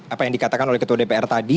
apa yang dikatakan oleh ketua dpr tadi